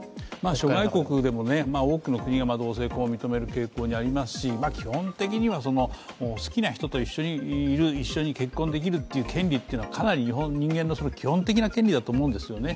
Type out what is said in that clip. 諸外国でも多くの国が同性婚を認める傾向にありますし基本的には、好きな人と一緒にいる一緒に結婚できる権利というのはかなり人間の基本的な権利だと思うんですよね。